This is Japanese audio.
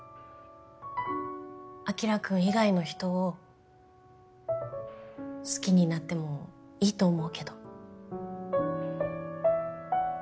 晶君以外の人を好きになってもいいと思うけど。